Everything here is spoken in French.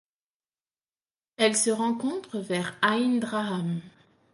Elle se rencontre vers Aïn Draham.